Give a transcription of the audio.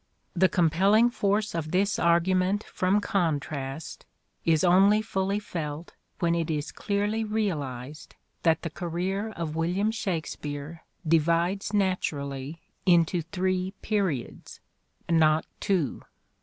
The compelling force of this argument from contrast is only fully felt when it is clearly realized that the career of William Shakspere divides naturally into three periods : not two.